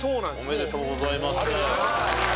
ありがとうございます。